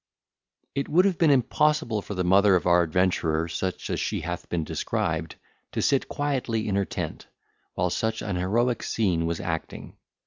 It would have been impossible for the mother of our adventurer, such as she hath been described, to sit quietly in her tent, while such an heroic scene was acting.